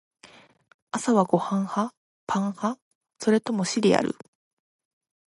朝はご飯派？パン派？それともシリアル？